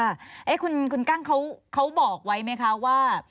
คุณกั้งเขาบอกไว้ไหมคะว่า